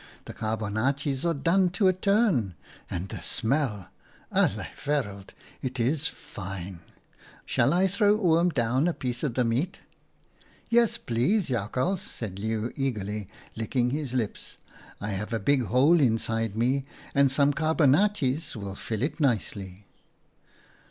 'The carbonaatjes are done to a turn, and the smell — alle wereld! it's fine ! Shall I throw Oom down a piece of the meat ?' 11 ' Yes please, Jakhals,' said Leeuw eagerly, licking his lips. ' I have a big hole inside me and some carbonaatjes will fill it nicely.'